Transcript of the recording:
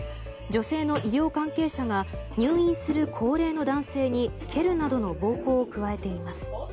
女性の医療関係者が入院する高齢の男性に蹴るなどの暴行を加えています。